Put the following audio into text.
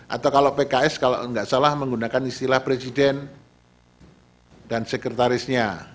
atau kalau pks kalau nggak salah menggunakan istilah presiden dan sekretarisnya